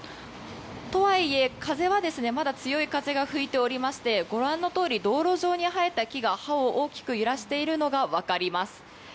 とはいえ、風はまだ強い風が吹いておりましてご覧のとおり道路上に生えた木が葉を大きく揺らしているのがわかります。